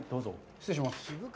失礼します。